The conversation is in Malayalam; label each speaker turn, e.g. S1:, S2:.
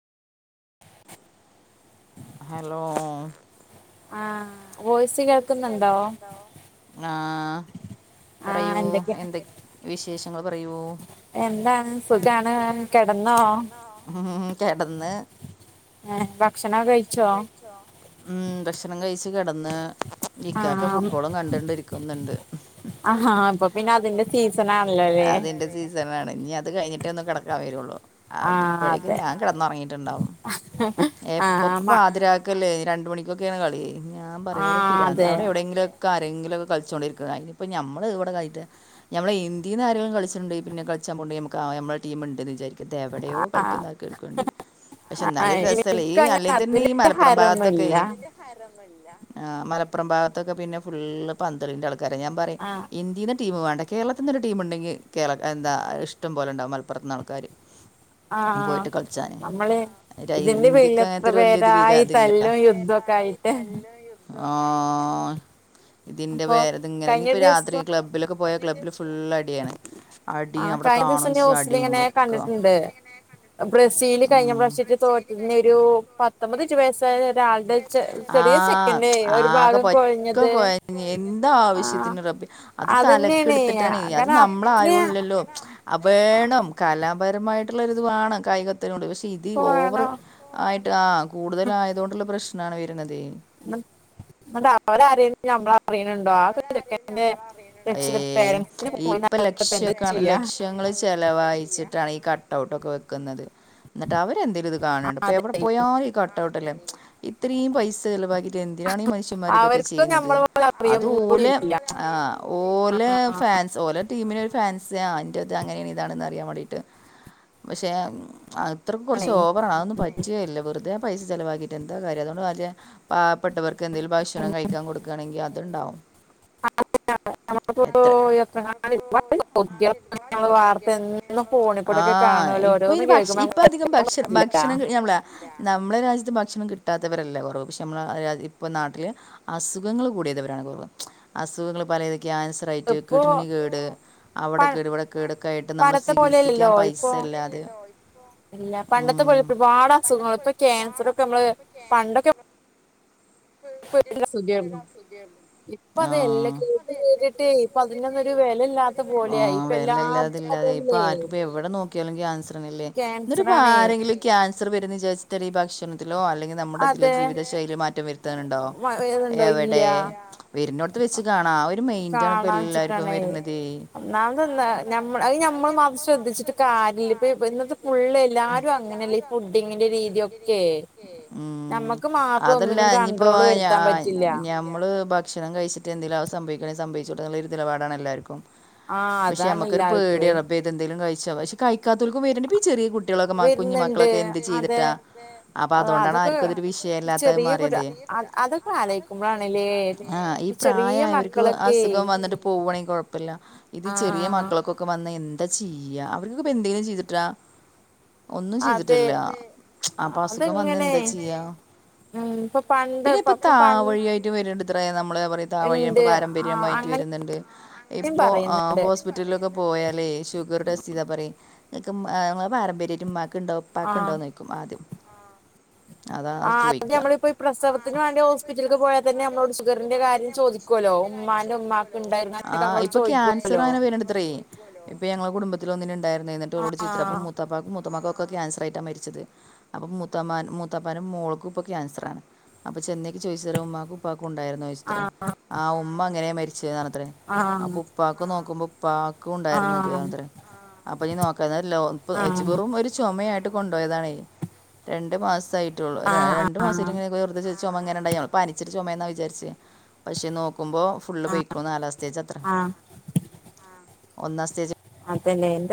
S1: ഹലോ
S2: ആ വോയിസ് കേൾക്കുന്നുണ്ടോ
S1: ആ
S2: ആ
S1: പറയൂ
S2: എന്തൊക്കെ
S1: എന്തൊ വിശേഷങ്ങൾ പറയൂ
S2: എന്താണ് സുഖാണ് കെടന്നോ?
S1: മ് കെടന്ന്
S2: ഹേ ഭക്ഷണോ കഴിച്ചോ?
S1: ച്ചോ? ഉം ഭക്ഷണം കഴിച്ചു കിടന്ന്
S2: ആ
S1: ഇിക്കക്കെ ഫുട്ബോളും കണ്ടണ്ടിരിക്കുന്നുണ്ട്.
S2: ആഹാ അപ്പൊ പിന്നെ അതിന്റെ സീസൺാണല്ലോല്ലേ?
S1: സീസൺ ആണ് ഇനി അത് കഴിഞ്ഞിട്ടേ ഒന്ന് കിടക്കാൻ വരുള്ളൂ
S2: ആ
S1: അത്പ്പോഴേക്കും
S2: അതെ
S1: ഞാൻ കിടന്നറങ്ങിട്ടുണ്ടാവും
S2: ആ
S1: എപ്പപ്പോ
S2: മ
S1: പാതിരാ ഒക്കല്ലേ രണ്ട് മണിക്കൊക്കെയാണ് കളിയേ ഞാൻ
S2: ആ
S1: പറയാം ഒരോ
S2: അതെ
S1: എന്തെങ്കിലുംക്ക ആരെങ്കിലൊക്കെ കളിച്ചുകോണ്ടിരിക്കുന്നത് അ ഇനിപ്പപ്പോ നമ്മള് ഇവിടെ കയി മ്മളെന്ത്യന്ന് ആരെ കളിച്ണ്ട് പിന്നെ കളിച്ചാ പോ നമക്ക്മ്മ ടീമുണ്ട്െന്ന് വിചാരിക്ക ത് എവടെയോ
S2: ആ
S1: കളുന്ന ആൾ കർ കുവേണ്ടി പക്ഷെ
S2: ആ,
S1: എന്നാലരു രസല്ലേ ഈ
S2: എനിക്കങ്ങനെ
S1: അല്ലേ തന്നെ ഈ
S2: അതിന്റെ
S1: മലപ്പുറം ഭാഗത്തൊക്കെ
S2: ഹരൊന്നുമില്ല
S1: ആ മലപ്പുറം ഭാഗത്തൊക്കെ പിന്നെ ഫുള്ള് പന്തലിന്റെറെ അട ക്കാര ഞാൻ പറയാ
S2: ആ
S1: ഇന്ത്യെ ടീമം വേണ്ട കേരളത്തിൽ ഒരു ടീം ഉണ്ടെങ്കിൽ കേരള എന്ത ഇഷ്ടം പോലെ ഉണ്ടാവും മലപ്പുറത്ത് ആൾക്കാര്
S2: ആഹ ആ നമ്മളെ ഇതിന്റെ പേരിൽ
S1: ഇന്ത്യക്ക്
S2: എത്ര
S1: അങ്ങനത്തെ ഒരു വലിയ ഇത് വിക
S2: പേരായി
S1: ഇതില്ല
S2: തല്ലും യുദ്ധൊക്കെ ആയിട്ട്
S1: ആഇതിന്റെ
S2: അപ്പൊ
S1: വേരതിങ്ങനെ
S2: കഴിഞ്ഞ
S1: നപ്പ
S2: ദിവസം
S1: രാത്രി ക്ലബ്ബ് ക്ലബിലൊക്ക പോയ ക്ലബ്ബിൽ ഫുൾ അടിയാണ്
S2: ആ
S1: അടിയും അവിടെ
S2: കഴിഞ്ഞ ദിവസം
S1: കാണുകയും ചെയ്യും
S2: ന്യൂസിൽ
S1: അടിയും
S2: ഇങ്ങനെ
S1: കൂടെ ഒക്കെ
S2: കണ്ടിട്ടുണ്ട് ബ്രസീൽ കഴിഞ്ഞ പ്രാവശ്യട്ട് തോറ്റ പിന്നെ ഒരു പത്തൊമ്പത്ഞ്ച് വയസ് ഒരാളുടെ ചെറിയ
S1: ആഹ്
S2: ചെക്കൻന്റെ ഒരു
S1: ആകെ
S2: ഭാഗം
S1: പറ്റെ
S2: കൊഴഞ്ഞത്
S1: കൊഴഞ്ഞ് എന്താ ആവശ്യത്തിന് റബെ അത്
S2: അതന്നെയാണ്
S1: തലക്കെടുത്തിട്ടാണ് അത്
S2: കാരണം
S1: നമ്മളെ
S2: അത്ര
S1: ആരോല്ലല്ലോ അ വേണം കലാപരമായിട്ടുള്ളര് ഇത് വേണം കായികത്തിനട് പക്ഷെ ഇത് ഓവർ
S2: പോണോ
S1: ആയിട്ട് ആ കൂടുതല ആയതുകൊണ്ടുള്ള പ്രശ്നമാണ് വരണത
S2: അതറിഞ്ഞ വര്ആരെലും നമ്മള അറിയണണ്ടോ ആക്കെന്റെ രക്ഷിത
S1: ഏയ്
S2: പേരൻസിന് പോയിപ്പ എന്ത ചെയ്യാ
S1: വൃക്ഷങ്ങൾ ചിലവായിച്ചിട്ടാണ് ഈ കട്ട്ഔട്ടൊക്കെ വെക്കുന്നത് എന്നിട്ട് അവരെ എന്തേങ്കലും ഇത് കാണ് ണ്ടൊ പ്പഠ
S2: അതെ
S1: എവിടെ പോയും ഈ കട്ടൗട്ടല്ലേ ഇത്രീം പൈസ ചിലവാക്കിയിട്ട് എന്തിനാണ് ഈ മനുഷ്യന്മാർ ഇതൊക്കെ
S2: അവർക്കും
S1: ചെയ്യുന്നത്
S2: നമ്മളെ പോലെ
S1: അത്
S2: അറിയൊന്നും കൂടി
S1: ഓല്
S2: ഇല്ല
S1: ആ ഓല
S2: ആഹ്
S1: ഫാൻ ഓലോ ടീമിനൊ ഒരു ഫാൻസിയാ എൻ്റെത് അങ്ങനെയാണ് ഇങ്ങനെ ണ്ന്ന് അറിയാൻ വേണ്ടിയിട്ട് പക്ഷേ അത്രയ്ക്ക്
S2: ആണേ
S1: കുറച്ച് ഓവറ ആ അതന്നും പറ്റിയേല്ല വെറുതെ പൈസ ചിലവാക്കിയിട്ട് എന്താ കാര്യം അതുകൊണ്ട് മറ്റെ പ പ്പെട്ടവർക്കെന്തേലും ഭക്ഷണം കഴിക്കാൻ കൊടുക്കയാണെങ്കിൽ അതുണ്ടാവും
S2: [inaudible]
S1: എത്ര
S2: ന്ന് ഫോണിൽ കൂടെക്കെ
S1: ആ
S2: കാണുവല്ലോ
S1: ഇപ്പം
S2: ഓരോന്നും
S1: ഇനി ഭക്ഷ
S2: കേൾക്കുമ്പോാൻ
S1: ഇപ്പം അധികം ഭക്ഷ ഭക്ഷണം നമ്മളെ
S2: [unintelligible]
S1: നമ്മളെ രാജ്യത്ത് ഭക്ഷണം കിട്ടാത്തവരല്ല കുറവ് പക്ഷെ നമ്മളെ ഇപ്പം നാട്ടില് അസുഖങ്ങൾ കൂടിയതവരാണുള്ളത് അസുഖങ്ങൾ പലതും കാൻസ - ർ ആയിട്ട്
S2: ഇപ്പൊ
S1: കിഡ്നി കേട് അവിടെ
S2: പ-
S1: കേട് ഇവിടെ കേടൊക്കെയിട്ട് നമ്മൾ
S2: പണ്ടത്തെ പോലെയല്ലല്ലോ
S1: ചികിത്സിക്കാൻ പയി
S2: ഇപ്പൊ
S1: സല്ലാതെ
S2: ഇല്ല പണ്ടത്തെ പോല ഒരുപാട് അസുഖങ്ങള ഇപ്പൊ ക്യാൻസറൊക്കെ നമ്മള് പണ്ടൊക്കെ [inaudible] ഇപ്പ
S1: ആ
S2: അതെല്ലാം കേട്ട് കേട്ടിട്ടേ ഇപ്പ അതിനൊന്നരു വില ഇല്ലാത്ത പോലെയായി ഇപ്പ എല്ലാം
S1: അതല്ലാതെ ഇപ്പൊ ആർക്കും എവിടെ നോക്കിയാലും ക്യാൻസർല്ലേ
S2: ക്യാൻസർ
S1: എന്നിട്ട്പ്പ
S2: ആണേ
S1: ആരെങ്കിലും ക്യാൻസർ വരന്ന് വിചാരിച്ചിട്ട് ഈ ഭക്ഷണത്തിലോ അല്ലെങ്കിൽ നമ്മുടെ തിലോ
S2: അതെ
S1: ജീവിതശൈലി മാറ്റം വരുത്തി ണ്ടോ
S2: മ- ഇതുണ്ടോ
S1: എവിടെ
S2: ഇല്ല
S1: വരുന്നടത്ത് വെച്ച് കാണാ ആഒരു മയിന്റാണ് ഇപ്പോ എല്ലാർക്കും വരുന്നത്
S2: ന്നാമത് ന നാമ്മ ൾ അ ഞമ്മൾ അത് ശ്രദ്ധിച്ചിട്ട് കാര്യല്ല ഇപ്പ ഇ് ഫുള്ള് എല്ലാരും അങ്ങനെയല്ലേ ഈ ഫുഡിങ്ങിന്റെ രീതിയൊക്കെ
S1: ഉം.
S2: നമ്മക്ക് മാത്രം
S1: അതല്ല
S2: ഒന്നിലും
S1: ഇനിയിപ്പോ
S2: കൺട്രോള് വരുത്താൻ പറ്റില്ല
S1: നമ്മള് ഭക്ഷണം കഴിച്ചിട്ട് എന്തലും അവ സംഭവിക്കണെ സംഭവിച്ചോട്ടെന്ന്ള്ള ഒരു നിലപാടാണ് എല്ലാവർക്കും
S2: ആഹ്
S1: പക്ഷെ
S2: അതാണ്
S1: നമ്മക്ക്
S2: എല്ലാർക്കുവേ
S1: ഒര്പേടിയാണ് റബ്ബേ ഇതെന്തെങ്കിലും കഴിച്ചാ പക്ഷെ കഴിക്കാത്തൽക്കുംവര് ണ്ട് ഈ ചെറിയ കുട്ടി കുട്ടികളൊക്കെ കുഞ്ഞു
S2: വരുന്നുണ്ട്
S1: മക്കളൊക്കെ എന്ത്
S2: അതെ
S1: ചെയ്തിട്ടാ അപ്പൊ അതുകൊണ്ടാണ്
S2: അതൊക്കെ
S1: ആർക്കും അതൊരു വിഷയല്ലാത്ത മാറിയതേ
S2: അതൊ
S1: ആ ഈ
S2: ചെറിയ
S1: പ്രായായോർക്ക്
S2: മക്കളൊക്കെ
S1: അസുഖം വന്നിട്ട് പോവാണെങ്കിൽ കൊഴപ്പില്ല ഇത് ചെറിയ
S2: ആഹ്
S1: മക്കൾക്കൊക്കെ വന്ന് എന്താ ചെയ്യാ അവർക്കൊപ്പ എന്തെങ്കിലും ചെയ്തിട്ടാ ഒന്നും
S2: അതെ
S1: ചെയ്തിട്ടല്ല അപ്പൊ അസുഖം വന്നാ
S2: അതെങ്ങനെ
S1: എന്താ ചെയ്യാ
S2: ഉം പണ്ട്
S1: പിന്നെ ഇപ്പ
S2: പണ്ട്
S1: താവഴിയായിട്ട് വരുന്നുണ്ട ത്രെ നമ്മൾ പറയും
S2: ഉണ്ട്
S1: താവഴിയാഇപ്പോൾ
S2: ആ
S1: പാരമ്പര്യയിട്ട്
S2: അങ്ങനെയും
S1: വരുന്നുണ്ട് ഇപ്പോ ആ ഹോസ്
S2: പറയുന്നുണ്ട്
S1: ഹോസ്പിറ്റലിലൊക്കെ പോയാലേ ഷുഗർ ടെസ്റ്റ് ചെയതാ പറയും നിങ്ങൾക്ക് നിങ്ങളെ പാരമ്പര്യായിട്ട് മമാക്ക് ഉണ്ടാവും
S2: ആ
S1: ഉപ്പാക്കുണ്ടോന്ന് ചോദിക്കും ആദ്യം അതാ
S2: ആ അത്
S1: ചോദിക്ക്യ
S2: നമ്മളിപ്പോ ഈ പ്രസവത്തിന് വേണ്ടി ഹോസ്പിറ്റലിക്ക് പോയാ തന്നെ നമ്മളോട് ഷുഗറിന്റെ കാര്യം ചോദിക്കുവില്ലോ ഉമ്മാന്റെ ഉമ്മാ ഉണ്ടായിരുന്നാ [inaudible] നമ്മളോട് ചോദിക്കുവല്ലോ
S1: ത്രേ ഇപ്പൊ ഞങ്ങളുടെ കുടുംബത്തില് ഒന്നിനുണ്ടായിരുന്നു എന്നിട്ട്
S2: ആ
S1: ഓളോട് ചോയ് ചോലെ മുത്താപ്പാക്കും മൂത്തുമ്മാക്കുമൊക്കെ ക്യാൻസറായിട്ടാണ് മരിച്ചത് അപ്പം മൂത്താമാനും മൂത്താപ്പോന്റെ മോൾക്കും ഇപ്പ ക്യാൻസറാ അപ്പൊ ചെന്നേക്ക് ചോദിച്ചേരം ഉമ്മാക്കും ഉപ്പാക്കും
S2: ആ
S1: ഉണ്ടായിരുന്നേ ആഹ് ഉമ്മ അങ്ങനെയാ മരിച്ച്ണത്രേ
S2: ആ
S1: ആഹ് ഉപ്പാക്ക് നോക്കുമ്പോ ഉപ്പാ
S2: ആ ആ
S1: ക്കുണ്ടായിരുന്നുത്രേ അന്നേരം അപ്പൊ നീ നോക്കാനെല്ലാർക്കും എച് വെറുമൊരു ചുമയായിട്ട് കൊണ്ടോയതാണെ രണ്ടു മാസായിട്ടുള്ളൂ
S2: ആ
S1: ര രണ്ടുമാസ
S2: ആ
S1: ഇങ്ങനെ വെറുതൊരു ചുമങ്ങനെ ഉണ്ടായിരുന്നു പനിച്ചിട്ട് ചുമയെന്നാ വിചാരിച്ച് പക്ഷെ നോക്കുമ്പോ ഫുള്ള്
S2: ആ
S1: പോയിക്കോ നാലാം സ്റ്റേജാത്രേ
S2: ആ
S1: ഒന്നാം സ്റ്റേജ്
S2: അതന്നേ എ